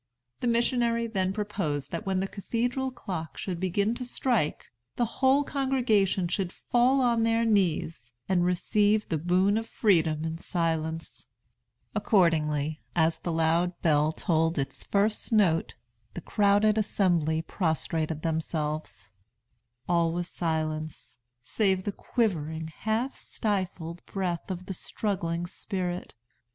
The missionary then proposed that when the cathedral clock should begin to strike, the whole congregation should fall on their knees, and receive the boon of freedom in silence. Accordingly, as the loud bell tolled its first note, the crowded assembly prostrated themselves. All was silence, save the quivering, half stifled breath of the struggling spirit.